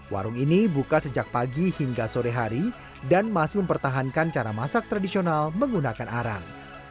warung ini buka sejak pagi hingga sore hari dan masih mempertahankan cara masak tradisional menggunakan arang